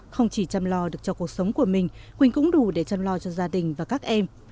không chỉ chăm lo được cho cuộc sống của mình quỳnh cũng đủ để chăm lo cho gia đình và các em